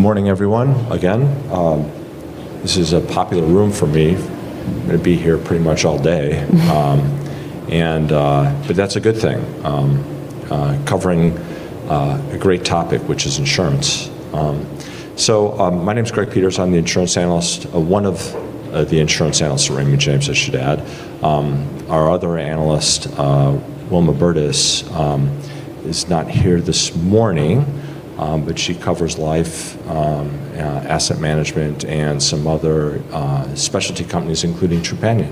Good morning, everyone. Again, this is a popular room for me. I'm gonna be here pretty much all day. But that's a good thing. Covering a great topic, which is insurance. So, my name's Greg Peters. I'm the insurance analyst, one of the insurance analysts at Raymond James, I should add. Our other analyst, Wilma Burdis, is not here this morning, but she covers life, asset management and some other specialty companies, including Trupanion.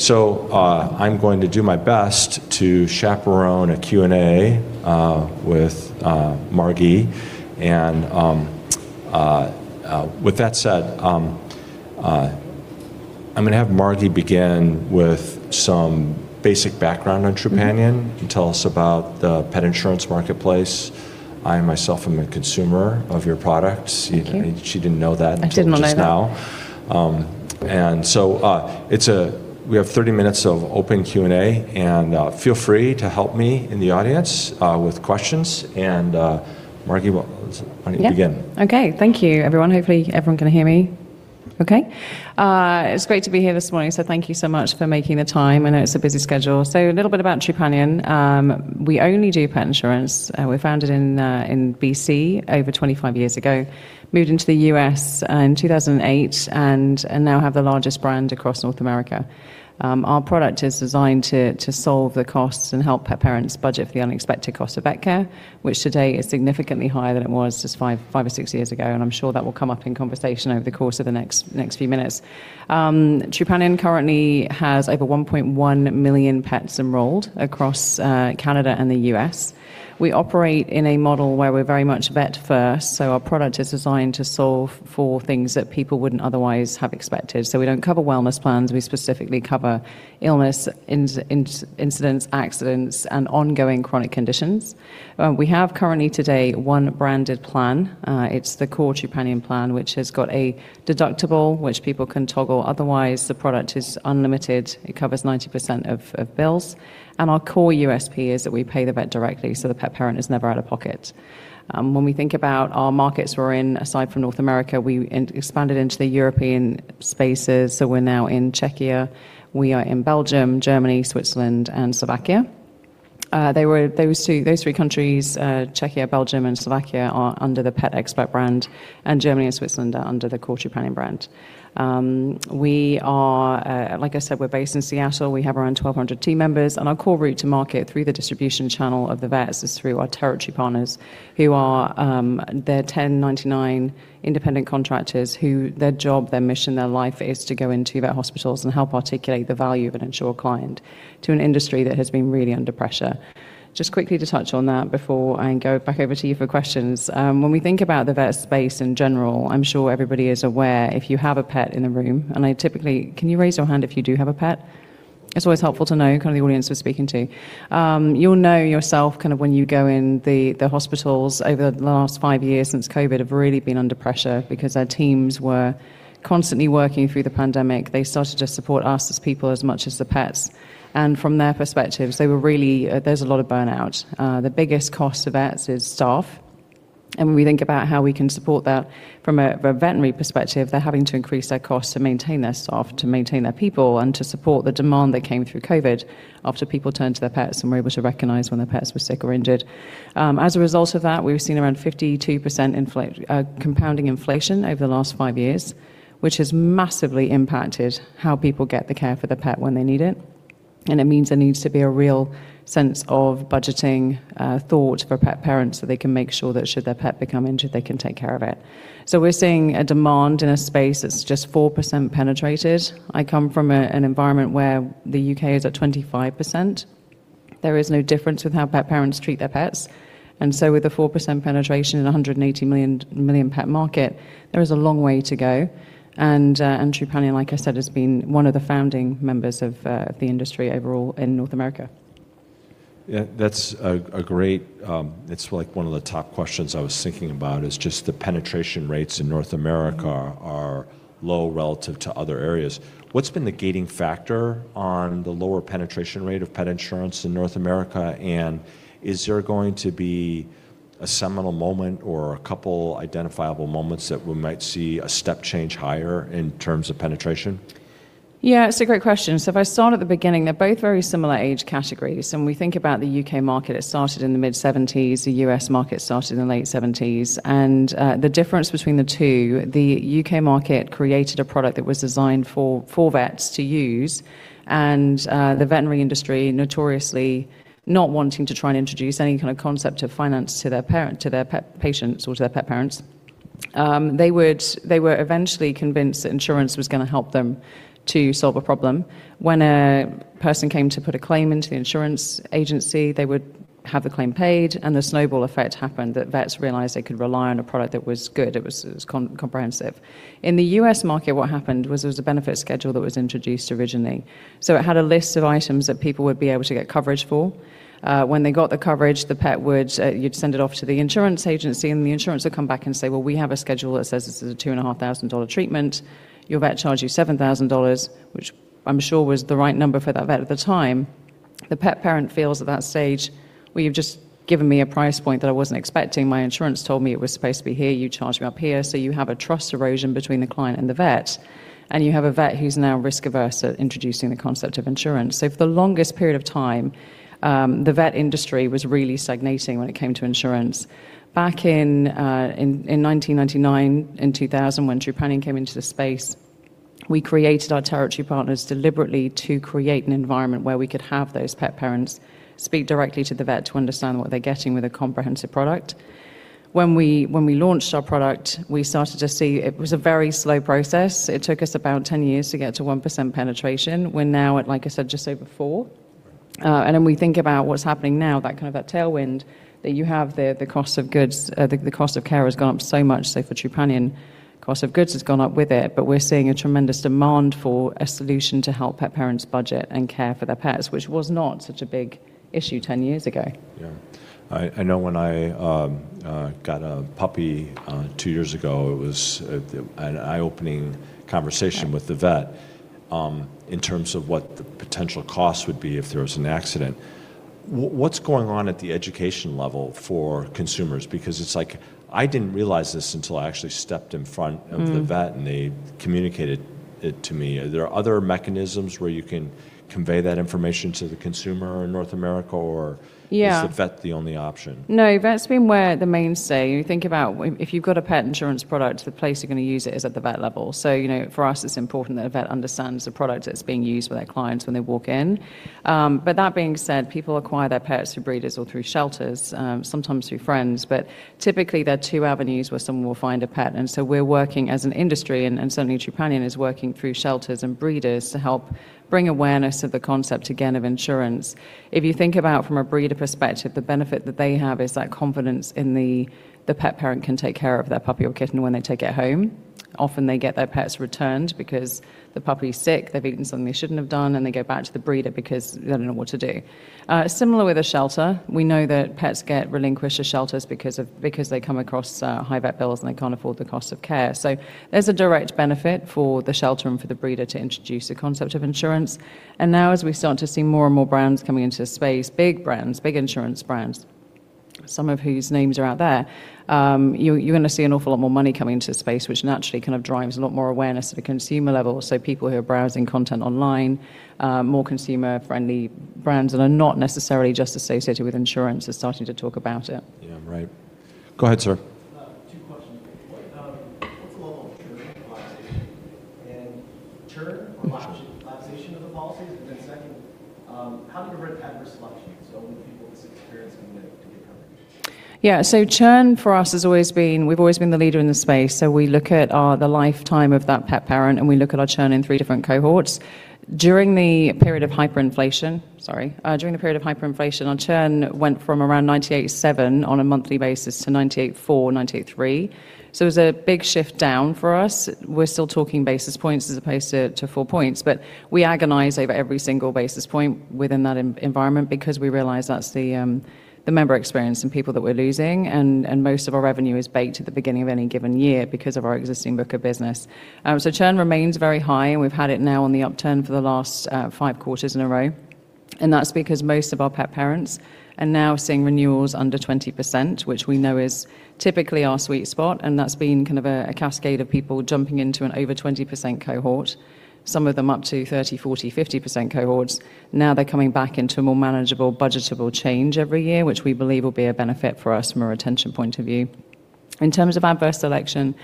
So, I'm going to do my best to chaperone a Q&A with Margi. With that said, I'm gonna have Margi begin with some basic background on Trupanion. Mm-hmm. You can tell us about the pet insurance marketplace. I myself am a consumer of your products. Thank you. She didn't know that. I did not know that.... till just now. We have 30 minutes of open Q&A, feel free to help me in the audience, with questions. Margi, well, why don't you begin? Yeah. Okay. Thank you, everyone. Hopefully everyone can hear me okay. It's great to be here this morning, thank you so much for making the time. I know it's a busy schedule. A little bit about Trupanion. We only do pet insurance. We founded in BC over 25 years ago, moved into the US in 2008, and now have the largest brand across North America. Our product is designed to solve the costs and help pet parents budget for the unexpected cost of vet care, which today is significantly higher than it was just five or six years ago, I'm sure that will come up in conversation over the course of the next few minutes. Trupanion currently has over 1.1 million pets enrolled across Canada and the US We operate in a model where we're very much vet-first, our product is designed to solve for things that people wouldn't otherwise have expected. We don't cover wellness plans. We specifically cover illness, incidents, accidents, and ongoing chronic conditions. We have currently today one branded plan. It's the Core Trupanion plan, which has got a deductible which people can toggle. Otherwise, the product is unlimited. It covers 90% of bills. Our core USP is that we pay the vet directly, the pet parent is never out of pocket. When we think about our markets we're in, aside from North America, we expanded into the European spaces. We're now in Czechia, we are in Belgium, Germany, Switzerland and Slovakia. Those three countries, Czechia, Belgium and Slovakia, are under the PetExpert brand, and Germany and Switzerland are under the Core Trupanion brand. We are, like I said, we're based in Seattle. We have around 1,200 team members, and our core route to market through the distribution channel of the vets is through our Territory Partners, who are, they're 1099 independent contractors who their job, their mission, their life is to go into vet hospitals and help articulate the value of an insurer client to an industry that has been really under pressure. Just quickly to touch on that before I hand go back over to you for questions. When we think about the vet space in general, I'm sure everybody is aware, if you have a pet in the room, and I typically... Can you raise your hand if you do have a pet? It's always helpful to know kind of the audience we're speaking to. You'll know yourself kind of when you go in the hospitals over the last five years since COVID have really been under pressure because our teams were constantly working through the pandemic. They started to support us as people as much as the pets. From their perspectives, they were really, there's a lot of burnout. The biggest cost of vets is staff, and when we think about how we can support that from a veterinary perspective, they're having to increase their costs to maintain their staff, to maintain their people, and to support the demand that came through COVID after people turned to their pets and were able to recognize when their pets were sick or injured. As a result of that, we've seen around 52% inflation compounding inflation over the last five years, which has massively impacted how people get the care for their pet when they need it. It means there needs to be a real sense of budgeting thought for pet parents, so they can make sure that should their pet become injured, they can take care of it. We're seeing a demand in a space that's just 4% penetrated. I come from an environment where the UK is at 25%. There is no difference with how pet parents treat their pets. With a 4% penetration in a 180 million pet market, there is a long way to go. Trupanion, like I said, has been one of the founding members of the industry overall in North America. Yeah. That's a great, it's like one of the top questions I was thinking about is just the penetration rates in North America are low relative to other areas. What's been the gating factor on the lower penetration rate of pet insurance in North America, and is there going to be a seminal moment or a couple identifiable moments that we might see a step change higher in terms of penetration? Yeah, it's a great question. If I start at the beginning, they're both very similar age categories. When we think about the UK market, it started in the mid-'70s. The US market started in the late '70s. The difference between the two, the UK market created a product that was designed for vets to use, and, the veterinary industry notoriously not wanting to try and introduce any kind of concept of finance to their parent, to their pet patients or to their pet parents, they would, they were eventually convinced that insurance was gonna help them to solve a problem. When a person came to put a claim into the insurance agency, they would have the claim paid, and the snowball effect happened that vets realized they could rely on a product that was good, it was, it was comprehensive. In the US market, what happened was there was a benefit schedule that was introduced originally. It had a list of items that people would be able to get coverage for. When they got the coverage, the pet would, you'd send it off to the insurance agency, and the insurance would come back and say, "Well, we have a schedule that says this is a two and a half thousand dollar treatment. Your vet charged you $7,000," which I'm sure was the right number for that vet at the time. The pet parent feels at that stage, well, you've just given me a price point that I wasn't expecting. My insurance told me it was supposed to be here, you charged me up here. You have a trust erosion between the client and the vet, and you have a vet who's now risk-averse at introducing the concept of insurance. For the longest period of time, the vet industry was really stagnating when it came to insurance. Back in 1999 and 2000 when Trupanion came into the space, we created our Territory Partners deliberately to create an environment where we could have those pet parents speak directly to the vet to understand what they're getting with a comprehensive product. When we launched our product, we started to see it was a very slow process. It took us about 10 years to get to 1% penetration. We're now at, like I said, just over 4%. We think about what's happening now, that kind of that tailwind that you have there, the cost of care has gone up so much. For Trupanion, cost of goods has gone up with it, but we're seeing a tremendous demand for a solution to help pet parents budget and care for their pets, which was not such a big issue 10 years ago. Yeah. I know when I got a puppy, two years ago, it was an eye-opening conversation... Yeah ...with the vet, in terms of what the potential cost would be if there was an accident. What's going on at the education level for consumers? Because it's like, I didn't realize this until I actually stepped in front of... Mm-hmm ...the vet and they communicated it to me. Are there other mechanisms where you can convey that information to the consumer in North America or-? Yeah ...is the vet the only option? You think about if you've got a pet insurance product, the place you're gonna use it is at the vet level. You know, for us, it's important that a vet understands the product that's being used with their clients when they walk in. That being said, people acquire their pets through breeders or through shelters, sometimes through friends. Typically, there are two avenues where someone will find a pet. We're working as an industry, and certainly Trupanion is working through shelters and breeders to help bring awareness of the concept again of insurance. If you think about from a breeder perspective, the benefit that they have is that confidence in the pet parent can take care of their puppy or kitten when they take it home. Often they get their pets returned because the puppy is sick, they've eaten something they shouldn't have done, and they go back to the breeder because they don't know what to do. Similar with a shelter, we know that pets get relinquished to shelters because they come across high vet bills, and they can't afford the cost of care. There's a direct benefit for the shelter and for the breeder to introduce a concept of insurance. Now as we start to see more and more brands coming into the space, big brands, big insurance brands, some of whose names are out there, you're gonna see an awful lot more money coming into the space, which naturally kind of drives a lot more awareness at the consumer level. People who are browsing content online, more consumer-friendly brands that are not necessarily just associated with insurance are starting to talk about it. Yeah, right. Go ahead, sir. Two questions. What's the level of churn and relaxation? Churn or relaxation of the policies. Second, how do you prevent adverse selection so when people experience? Churn for us has always been-- we've always been the leader in this space. We look at the lifetime of that pet parent, and we look at our churn in three different cohorts. During the period of hyperinflation-- Sorry. During the period of hyperinflation, our churn went from around 98.7% on a monthly basis to 98.4%, 98.3%. It was a big shift down for us. We're still talking basis points as opposed to full points, but we agonize over every single basis point within that environment because we realize that's the member experience and people that we're losing and most of our revenue is baked at the beginning of any given year because of our existing book of business. Churn remains very high, and we've had it now on the upturn for the last five quarters in a row. That's because most of our pet parents are now seeing renewals under 20%, which we know is typically our sweet spot, and that's been kind of a cascade of people jumping into an over 20% cohort, some of them up to 30%, 40%, 50% cohorts. They're coming back into a more manageable, budgetable change every year, which we believe will be a benefit for us from a retention point of view. In terms of adverse selection,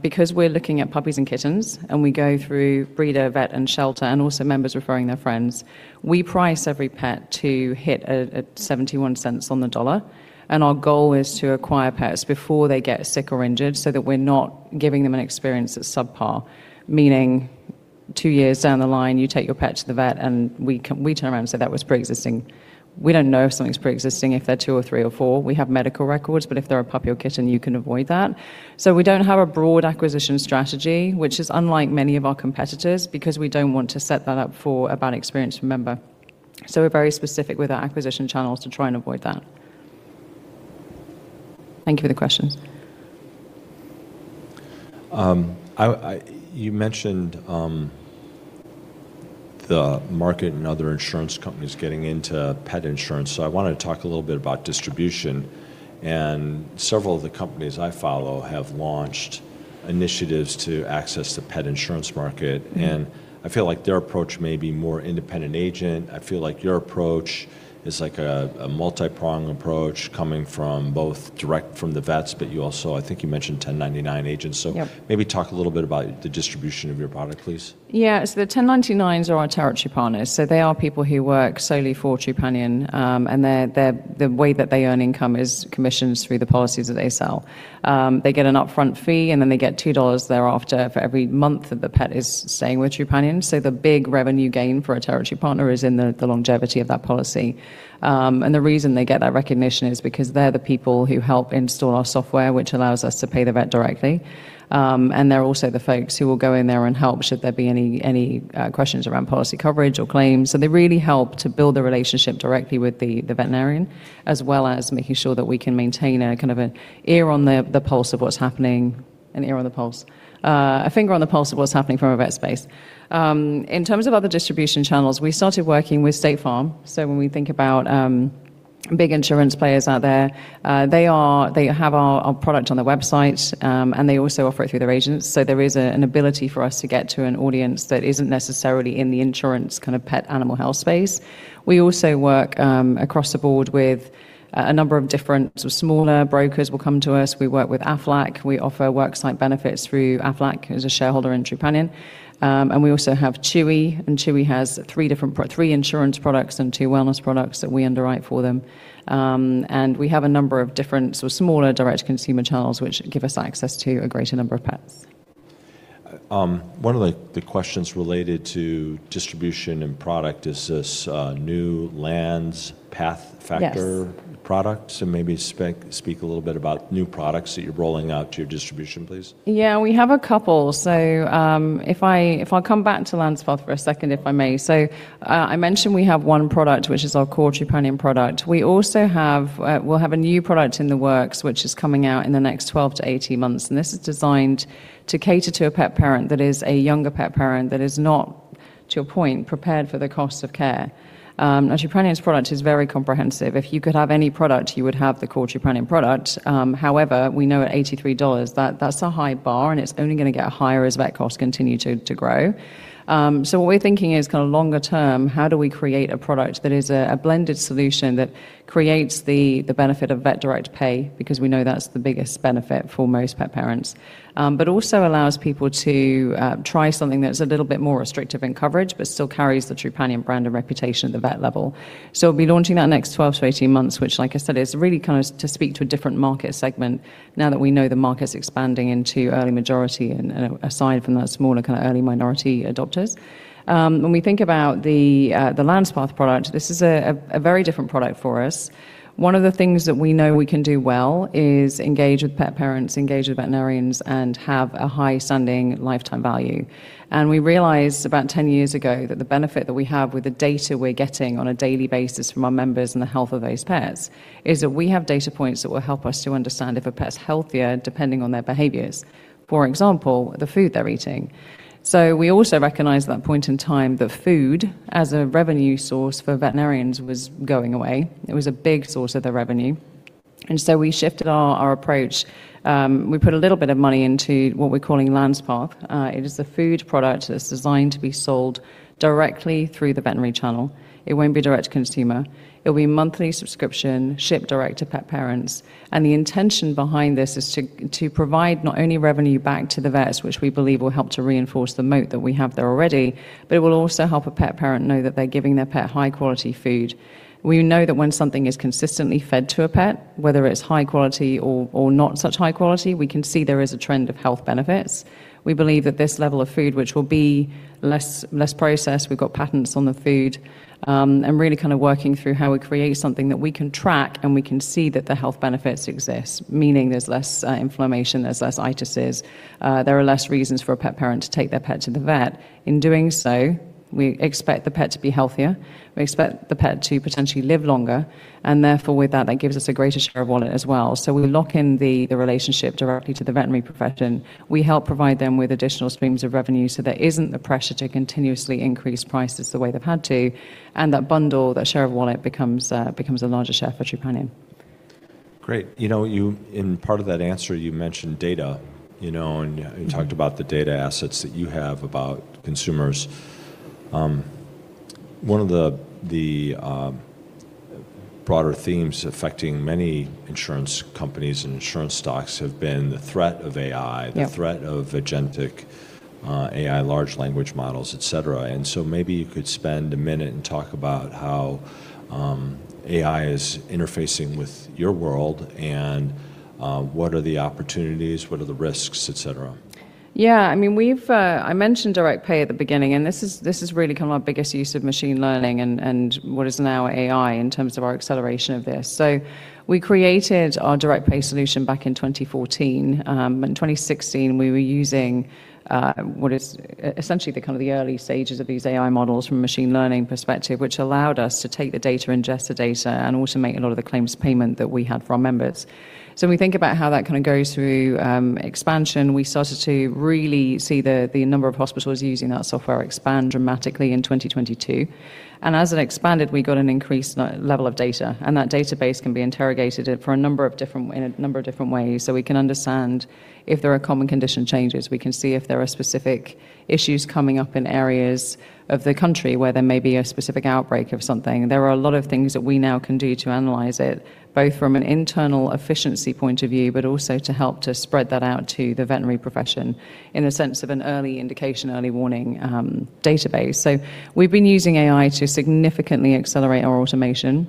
because we're looking at puppies and kittens, and we go through breeder, vet, and shelter, and also members referring their friends, we price every pet to hit $0.71 on the dollar. Our goal is to acquire pets before they get sick or injured so that we're not giving them an experience that's subpar. Meaning two years down the line, you take your pet to the vet, and we turn around and say, "That was preexisting." We don't know if something's preexisting if they're two or three or four. We have medical records, but if they're a puppy or kitten, you can avoid that. We don't have a broad acquisition strategy, which is unlike many of our competitors, because we don't want to set that up for a bad experience for a member. We're very specific with our acquisition channels to try and avoid that. Thank you for the questions. You mentioned the market and other insurance companies getting into pet insurance. I wanted to talk a little bit about distribution. Several of the companies I follow have launched initiatives to access the pet insurance market. Mm-hmm. I feel like their approach may be more independent agent. I feel like your approach is like a multiprong approach coming from both direct from the vets, but I think you mentioned 1099 agents. Yep. Maybe talk a little bit about the distribution of your product, please. Yeah. The 1099s are our Territory Partners. They are people who work solely for Trupanion, and the way that they earn income is commissions through the policies that they sell. They get an upfront fee, and then they get $2 thereafter for every month that the pet is staying with Trupanion. The big revenue gain for a Territory Partner is in the longevity of that policy. The reason they get that recognition is because they're the people who help install our software, which allows us to pay the vet directly. They're also the folks who will go in there and help should there be any questions around policy coverage or claims. They really help to build the relationship directly with the veterinarian, as well as making sure that we can maintain a kind of an ear on the pulse of what's happening. An ear on the pulse. A finger on the pulse of what's happening from a vet space. In terms of other distribution channels, we started working with State Farm. When we think about big insurance players out there, they have our product on their website, and they also offer it through their agents. There is an ability for us to get to an audience that isn't necessarily in the insurance kind of pet animal health space. We also work across the board with a number of different sort of smaller brokers will come to us. We work with Aflac. We offer worksite benefits through Aflac, who's a shareholder in Trupanion. We also have Chewy, and Chewy has three different three insurance products and two wellness products that we underwrite for them. We have a number of different sort of smaller direct consumer channels which give us access to a greater number of pets. One of the questions related to distribution and product is this new Landspath Factor- Yes ... products, and maybe speak a little bit about new products that you're rolling out to your distribution, please. Yeah. We have a couple. If I come back to Landspath for a second, if I may. I mentioned we have one product, which is our Core Trupanion product. We also have, we'll have a new product in the works, which is coming out in the next 12-18 months, and this is designed to cater to a pet parent that is a younger pet parent that is not, to your point, prepared for the cost of care. Now Trupanion's product is very comprehensive. If you could have any product, you would have the Core Trupanion product. However, we know at $83 that that's a high bar, and it's only gonna get higher as vet costs continue to grow. What we're thinking is kinda longer term, how do we create a product that is a blended solution that creates the benefit of Vet Direct Pay, because we know that's the biggest benefit for most pet parents, but also allows people to try something that's a little bit more restrictive in coverage but still carries the Trupanion brand and reputation at the vet level. We'll be launching that next 12-18 months, which like I said, is really kind of to speak to a different market segment now that we know the market's expanding into early majority and aside from that smaller kind of early minority adopters. When we think about the Landspath product, this is a very different product for us. One of the things that we know we can do well is engage with pet parents, engage with veterinarians, and have a high-standing lifetime value. We realized about 10 years ago that the benefit that we have with the data we're getting on a daily basis from our members and the health of those pets is that we have data points that will help us to understand if a pet's healthier depending on their behaviors, for example, the food they're eating. We also recognized that point in time that food as a revenue source for veterinarians was going away. It was a big source of their revenue. We shifted our approach. We put a little bit of money into what we're calling Landspath. It is a food product that's designed to be sold directly through the veterinary channel. It won't be direct to consumer. It'll be monthly subscription, shipped direct to pet parents, the intention behind this is to provide not only revenue back to the vets, which we believe will help to reinforce the moat that we have there already, but it will also help a pet parent know that they're giving their pet high-quality food. We know that when something is consistently fed to a pet, whether it's high quality or not such high quality, we can see there is a trend of health benefits. We believe that this level of food, which will be less processed, we've got patents on the food, and really kind of working through how we create something that we can track and we can see that the health benefits exist, meaning there's less inflammation, there's less itises, there are less reasons for a pet parent to take their pet to the vet. In doing so, we expect the pet to be healthier. We expect the pet to potentially live longer and therefore with that gives us a greater share of wallet as well. We lock in the relationship directly to the veterinary profession. We help provide them with additional streams of revenue, so there isn't the pressure to continuously increase prices the way they've had to, and that bundle, that share of wallet becomes a larger share for Trupanion. Great. You know, in part of that answer, you mentioned data, you know, and. Mm-hmm... talked about the data assets that you have about consumers. One of the broader themes affecting many insurance companies and insurance stocks have been the threat of AI- Yeah... the threat of agentic, AI, large language models, et cetera. Maybe you could spend a minute and talk about how AI is interfacing with your world and, what are the opportunities, what are the risks, et cetera. I mean, we've I mentioned Direct Pay at the beginning, this is really kind of our biggest use of machine learning and what is now AI in terms of our acceleration of this. We created our Direct Pay solution back in 2014. In 2016 we were using essentially the kind of the early stages of these AI models from a machine learning perspective, which allowed us to take the data, ingest the data, and automate a lot of the claims payment that we had from members. When we think about how that kinda goes through expansion, we started to really see the number of hospitals using that software expand dramatically in 2022. As it expanded, we got an increased level of data, and that database can be interrogated for a number of different, in a number of different ways. We can understand if there are common condition changes. We can see if there are specific issues coming up in areas of the country where there may be a specific outbreak of something. There are a lot of things that we now can do to analyze it, both from an internal efficiency point of view, but also to help to spread that out to the veterinary profession in the sense of an early indication, early warning, database. We've been using AI to significantly accelerate our automation.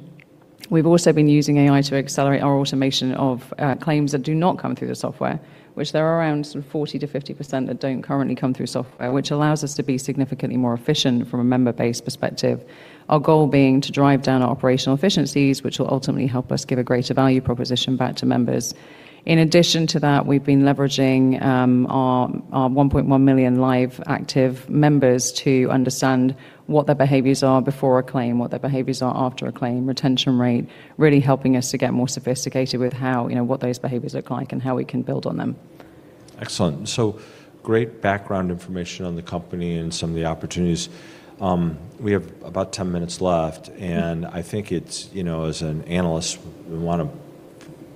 We've also been using AI to accelerate our automation of claims that do not come through the software, which there are around 40-50% that don't currently come through software, which allows us to be significantly more efficient from a member base perspective. Our goal being to drive down our operational efficiencies, which will ultimately help us give a greater value proposition back to members. In addition to that, we've been leveraging our 1.1 million live active members to understand what their behaviors are before a claim, what their behaviors are after a claim, retention rate, really helping us to get more sophisticated with how, you know, what those behaviors look like and how we can build on them. Excellent. Great background information on the company and some of the opportunities. We have about 10 minutes left, and I think it's, you know, as an analyst, we wanna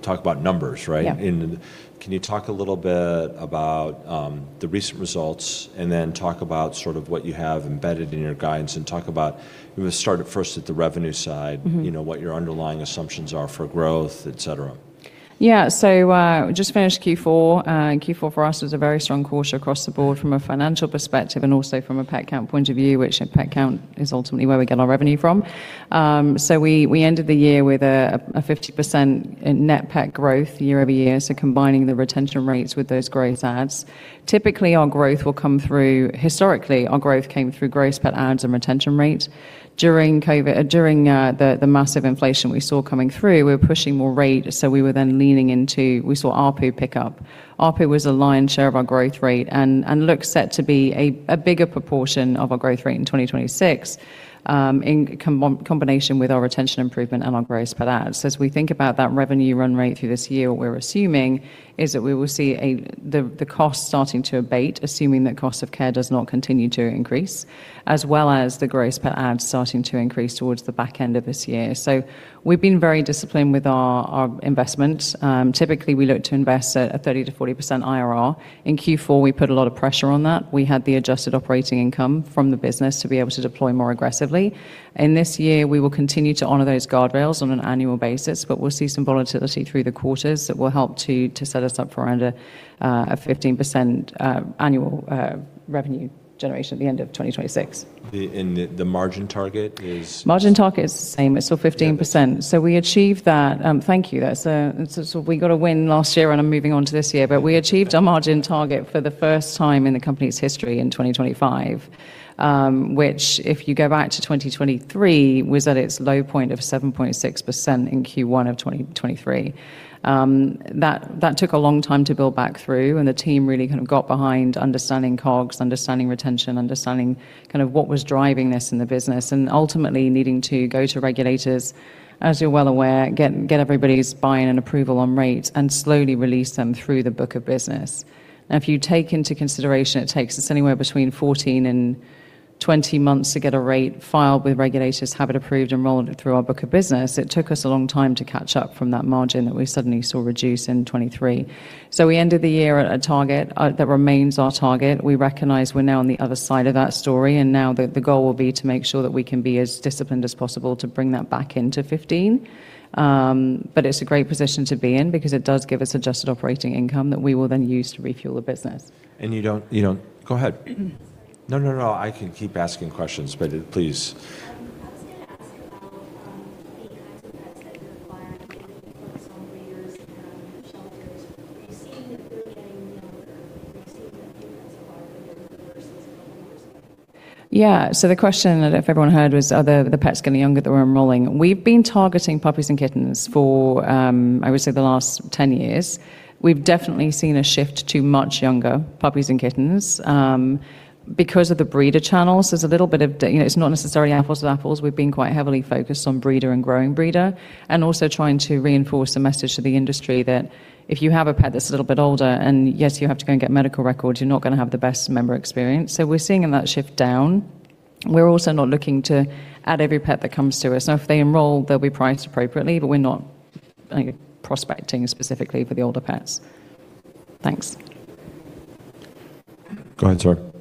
talk about numbers, right? Yeah. Can you talk a little bit about, the recent results, and then talk about sort of what you have embedded in your guidance we will start at first at the revenue side. Mm-hmm. you know, what your underlying assumptions are for growth, et cetera. Just finished Q4. Q4 for us was a very strong quarter across the board from a financial perspective and also from a pet count point of view, which pet count is ultimately where we get our revenue from. We ended the year with a 50% in net pet growth year-over-year, so combining the retention rates with those gross adds. Historically, our growth came through gross pet adds and retention rates. During the massive inflation we saw coming through, we were pushing more rate, we saw ARPU pick up. ARPU was a lion's share of our growth rate and looks set to be a bigger proportion of our growth rate in 2026, in combination with our retention improvement and our gross pet adds. As we think about that revenue run rate through this year, what we're assuming is that we will see the cost starting to abate, assuming that cost of care does not continue to increase, as well as the gross pet adds starting to increase towards the back end of this year. We've been very disciplined with our investment. Typically, we look to invest a 30-40% IRR. In Q4, we put a lot of pressure on that. We had the adjusted operating income from the business to be able to deploy more aggressively. This year, we will continue to honor those guardrails on an annual basis, but we'll see some volatility through the quarters that will help to set us up for around a 15% annual revenue generation at the end of 2026. The margin target is? Margin target is the same. It's still 15%. Okay. We achieved that. Thank you. That's, it's sort of we got a win last year, and I'm moving on to this year. We achieved our margin target for the first time in the company's history in 2025, which if you go back to 2023, was at its low point of 7.6% in Q1 of 2023. That took a long time to build back through, the team really kind of got behind understanding COGS, understanding retention, understanding kind of what was driving this in the business, and ultimately needing to go to regulators, as you're well aware, get everybody's buy-in and approval on rates, and slowly release them through the book of business. If you take into consideration, it takes us anywhere between 14 and 20 months to get a rate filed with regulators, have it approved, enrolled through our book of business, it took us a long time to catch up from that margin that we suddenly saw reduce in 2023. We ended the year at a target that remains our target. We recognize we're now on the other side of that story, and now the goal will be to make sure that we can be as disciplined as possible to bring that back into 15%. It's a great position to be in because it does give us adjusted operating income that we will then use to refuel the business. You don't. Go ahead. No, no. I can keep asking questions, but, please. I was gonna ask about the kinds of pets that you're acquiring from home breeders and shelters. Are you seeing that they're getting younger? Are you seeing a difference at all from years versus a few years ago? Yeah. The question, if everyone heard, was, are the pets getting younger that we're enrolling? We've been targeting puppies and kittens for, I would say the last 10 years. We've definitely seen a shift to much younger puppies and kittens, because of the breeder channels. There's a little bit of, you know, it's not necessarily apples to apples. We've been quite heavily focused on breeder and growing breeder, and also trying to reinforce a message to the industry that if you have a pet that's a little bit older, and yes, you have to go and get medical records, you're not gonna have the best member experience. We're seeing in that shift down. We're also not looking to add every pet that comes to us. Now, if they enroll, they'll be priced appropriately, but we're not, I think, prospecting specifically for the older pets. Thanks. Go ahead, sir.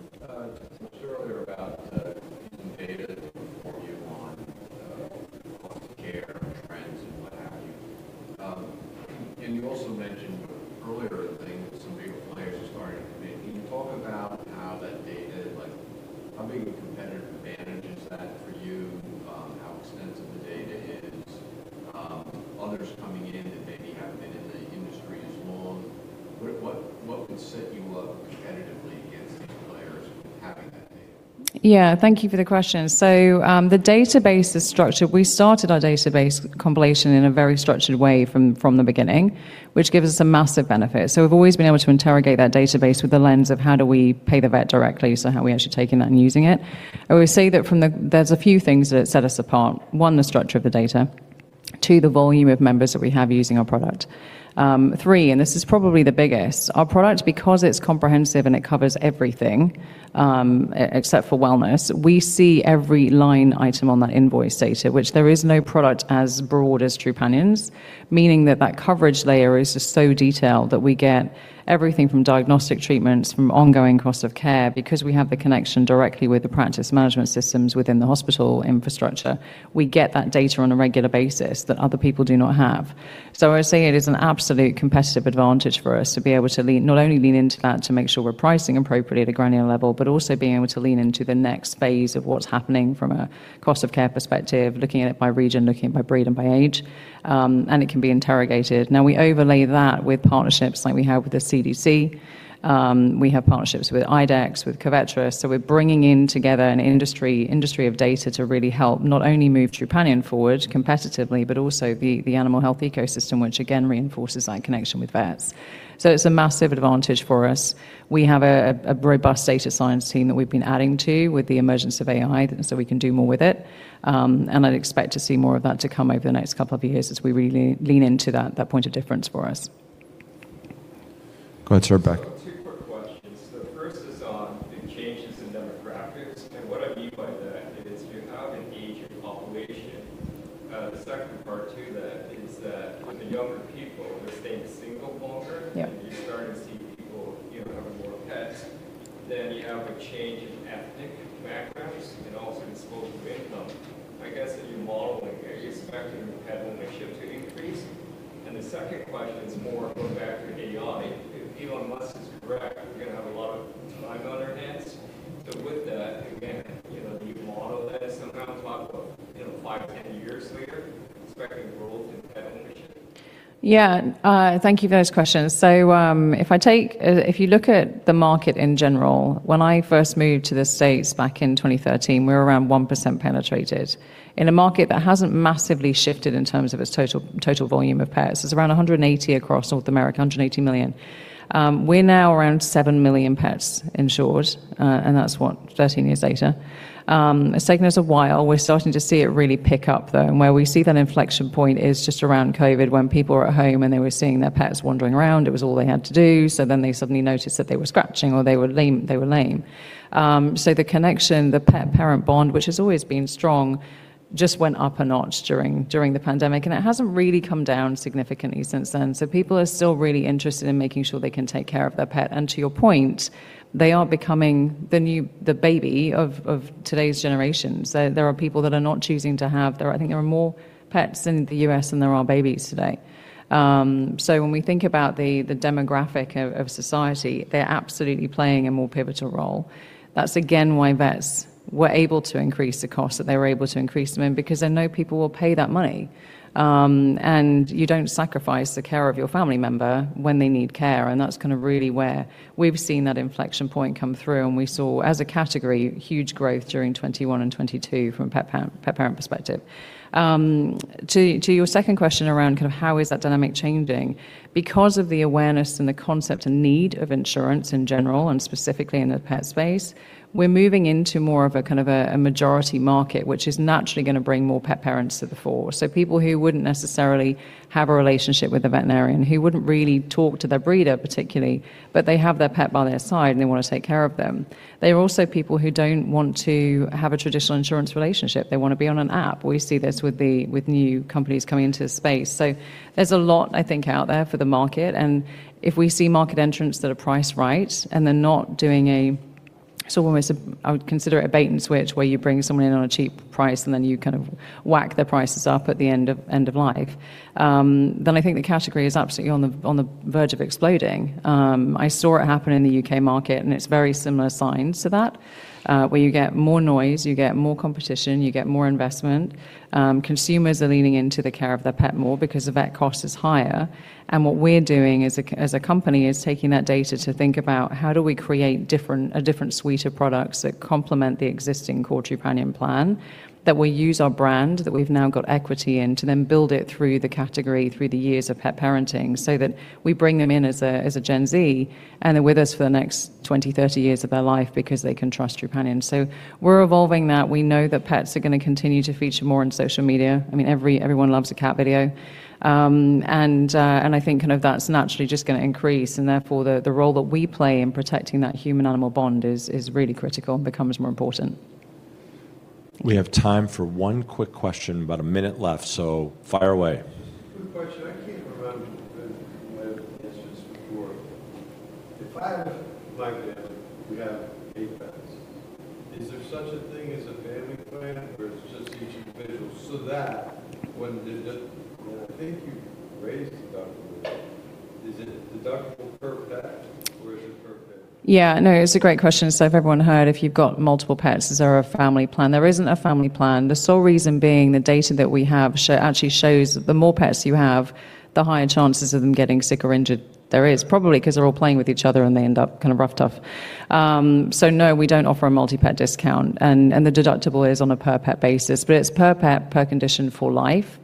You talked earlier about using data to inform you on cost of care and trends and what have you. You also mentioned earlier, I think, that some bigger players are starting to compete. Can you talk about how that data, like how big a competitive advantage is that for you, how extensive the data is, others coming in that maybe haven't been in the industry as long? What would set you up competitively against these players having that data? Yeah. Thank you for the question. The database is structured. We started our database compilation in a very structured way from the beginning, which gives us a massive benefit. We've always been able to interrogate that database with the lens of how do we pay the vet directly, how are we actually taking that and using it. I would say that there's a few things that set us apart. One, the structure of the data. Two, the volume of members that we have using our product. Three, and this is probably the biggest, our product, because it's comprehensive and it covers everything, except for wellness, we see every line item on that invoice data, which there is no product as broad as Trupanion's, meaning that that coverage layer is just so detailed that we get everything from diagnostic treatments, from ongoing cost of care. Because we have the connection directly with the practice management systems within the hospital infrastructure, we get that data on a regular basis that other people do not have. I'd say it is an absolute competitive advantage for us to be able to not only lean into that to make sure we're pricing appropriately at a granular level, but also being able to lean into the next phase of what's happening from a cost of care perspective, looking at it by region, looking at it by breed and by age, and it can be interrogated. We overlay that with partnerships like we have with the CDC. We have partnerships with IDEXX, with Covetrus. We're bringing in together an industry of data to really help not only move Trupanion forward competitively, but also the animal health ecosystem, which again reinforces that connection with vets. It's a massive advantage for us. We have a robust data science team that we've been adding to with the emergence of AI, so we can do more with it. I'd expect to see more of that to come over the next couple of years as we really lean into that point of difference for us. Go ahead, sir, at back. What I mean by that is you have an aging population. The second part to that is that with the younger people, they're staying single longer. Yeah. You're starting to see people, you know, having more pets. You have a change in ethnic backgrounds and also disposable income. I guess in your modeling, are you expecting pet ownership to increase? The second question is more going back to AI. If Elon Musk is correct, we're gonna have a lot of time on our hands. With that, again, you know, do you model that somehow, talk about, you know, five, 10 years later, expecting growth in pet ownership? Yeah. Thank you for those questions. If you look at the market in general, when I first moved to the States back in 2013, we were around 1% penetrated. In a market that hasn't massively shifted in terms of its total volume of pets, it's around 180 across North America, 180 million. We're now around seven million pets insured, and that's what? 13 years later. It's taken us a while. We're starting to see it really pick up, though, and where we see that inflection point is just around COVID when people were at home, and they were seeing their pets wandering around. It was all they had to do. They suddenly noticed that they were scratching or they were lame. The connection, the pet-parent bond, which has always been strong, just went up a notch during the pandemic, and it hasn't really come down significantly since then. People are still really interested in making sure they can take care of their pet. To your point, they are becoming the new the baby of today's generation. There are people that are not choosing to have. I think there are more pets in the US than there are babies today. When we think about the demographic of society, they're absolutely playing a more pivotal role. That's again why vets were able to increase the cost, that they were able to increase them in, because they know people will pay that money. You don't sacrifice the care of your family member when they need care, and that's kind of really where we've seen that inflection point come through, and we saw, as a category, huge growth during 2021 and 2022 from a pet parent perspective. To your second question around kind of how is that dynamic changing, because of the awareness and the concept and need of insurance in general, and specifically in the pet space, we're moving into more of a kind of a majority market, which is naturally gonna bring more pet parents to the fore. People who wouldn't necessarily have a relationship with a veterinarian, who wouldn't really talk to their breeder particularly, but they have their pet by their side, and they wanna take care of them. They are also people who don't want to have a traditional insurance relationship. They wanna be on an app. We see this with new companies coming into the space. There's a lot, I think, out there for the market, and if we see market entrants that are priced right, and they're not doing I would consider it a bait and switch, where you bring someone in on a cheap price, and then you kind of whack their prices up at the end of life. I think the category is absolutely on the verge of exploding. I saw it happen in the UK market, and it's very similar signs to that, where you get more noise, you get more competition, you get more investment. Consumers are leaning into the care of their pet more because the vet cost is higher. What we're doing as a company is taking that data to think about how do we create a different suite of products that complement the existing Core Trupanion plan, that we use our brand that we've now got equity in to then build it through the category, through the years of pet parenting, so that we bring them in as a Gen Z, and they're with us for the next 20, 30 years of their life because they can trust Trupanion. We're evolving that. We know that pets are gonna continue to feature more on social media. I mean, everyone loves a cat video. I think kind of that's naturally just gonna increase, and therefore the role that we play in protecting that human-animal bond is really critical and becomes more important. We have time for one quick question. About a minute left, so fire away. Just a quick question. I can't remember if you had answers before. In my family, we have eight pets. Is there such a thing as a family plan, or it's just each individual? Now I think you raised the deductible. Is it deductible per pet, or is it per family? Yeah, no, it's a great question. If everyone heard, if you've got multiple pets, is there a family plan? There isn't a family plan. The sole reason being the data that we actually shows that the more pets you have, the higher chances of them getting sick or injured there is. Probably 'cause they're all playing with each other, and they end up kind of roughed up. No, we don't offer a multi-pet discount. The deductible is on a per pet basis, but it's per pet, per condition for life.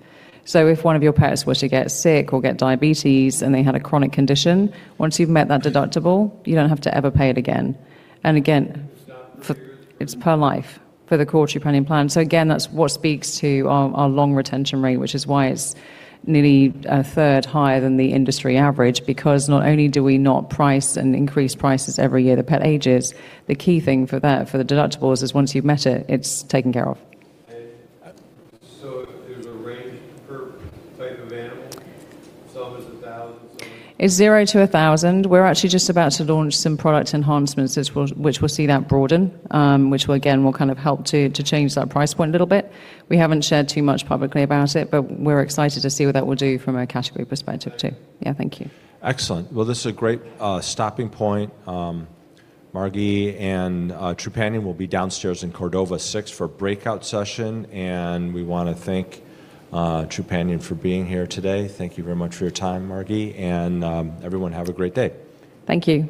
If one of your pets were to get sick or get diabetes, and they had a chronic condition, once you've met that deductible, you don't have to ever pay it again. Stop for a year or two? It's per life for the Core Trupanion plan. Again, that's what speaks to our long retention rate, which is why it's nearly a third higher than the industry average. Not only do we not price and increase prices every year the pet ages, the key thing for that, for the deductibles, is once you've met it's taken care of. There's a range per type of animal? Some is 1,000. It's $0-1,000. We're actually just about to launch some product enhancements which will see that broaden, which will again will kind of help to change that price point a little bit. We haven't shared too much publicly about it. We're excited to see what that will do from a category perspective too. Yeah. Thank you. Excellent. Well, this is a great stopping point. Margi and Trupanion will be downstairs in Cordova 6 for a breakout session. We wanna thank Trupanion for being here today. Thank you very much for your time, Margi. Everyone have a great day. Thank you.